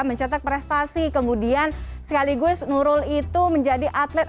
mencetak prestasi kemudian sekaligus nurul itu menjadi atlet